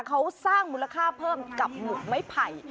เขาสร้างมูลค่าเพิ่มกับหมวกไม้ไผ่